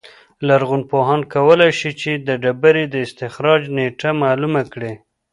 لرغونپوهان کولای شي چې د ډبرې د استخراج نېټه معلومه کړي